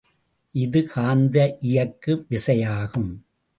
இது காந்த இயக்கு விசையாகும்.